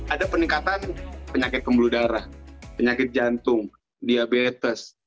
ada peningkatan penyakit kembalu darah penyakit jantung diabetes